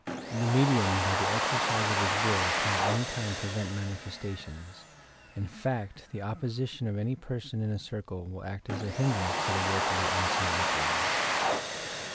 ... The medium by the exercise of his will can at any time prevent mautfestations, — in fact the opposition of any lierson in a circle will act as a hindrance to the work of the unseen operators.